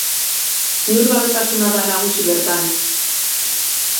Ziurgabetasuna da nagusi bertan.